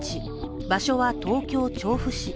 場所は東京・調布市。